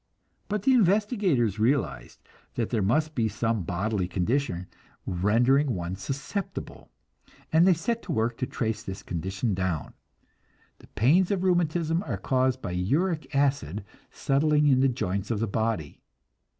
But the investigators realized that there must be some bodily condition rendering one susceptible, and they set to work to trace this condition down. The pains of rheumatism are caused by uric acid settling in the joints of the body.